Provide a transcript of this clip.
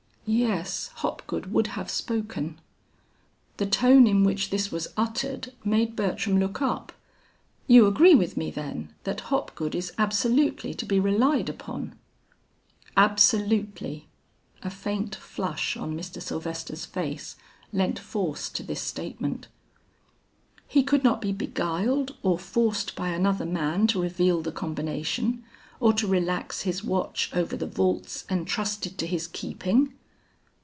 "Yes, Hopgood would have spoken." The tone in which this was uttered made Bertram look up. "You agree with me, then, that Hopgood is absolutely to be relied upon?" "Absolutely." A faint flush on Mr. Sylvester's face lent force to this statement. "He could not be beguiled or forced by another man to reveal the combination, or to relax his watch over the vaults entrusted to his keeping?"